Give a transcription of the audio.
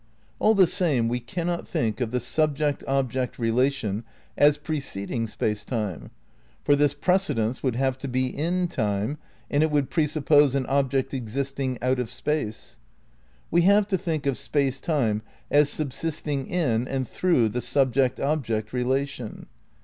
All the same, we cannot think of the subject object relation as preceding Space Time, for this precedence would have to be in time, and it would presuppose an object existing out of space. We have to think of Space Time as subsisting in and through the subject object relation.